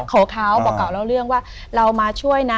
เขาบอกเก่าเล่าเรื่องว่าเรามาช่วยนะ